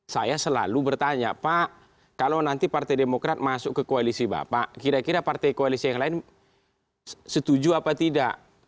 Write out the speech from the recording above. saya selalu bertanya pak kalau nanti partai demokrat masuk ke koalisi bapak kira kira partai koalisi yang lain setuju apa tidak